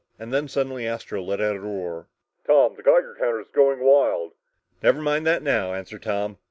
And then suddenly Astro let out a roar. "Tom, the Geiger counter is going wild!" "Never mind that now," answered Tom.